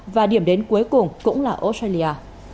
và điểm đến cuối cùng cũng là australia